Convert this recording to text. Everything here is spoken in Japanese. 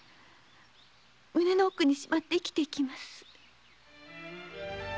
胸の奥にしまって生きていきます。